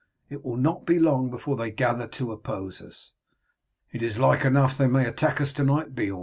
It will not be long before they gather to oppose us." "It is like enough they may attack us to night, Beorn.